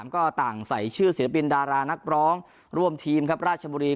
ก็ต่างใส่ชื่อศิลปินดารานักร้องร่วมทีมครับราชบุรี